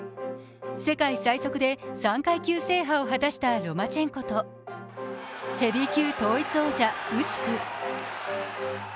世界最速で３階級制覇を果たしたロマチェンコと、ヘビー級統一王者、ウシク。